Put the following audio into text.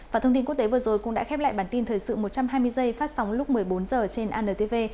và thông tin quốc tế vừa rồi cũng đã khép lại bản tin thời sự một trăm hai mươi giây phát sóng lúc một mươi bốn h trên antv